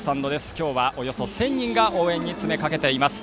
今日はおよそ１０００人が応援に詰め掛けています。